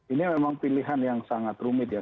ini memang pilihan yang sangat rumit ya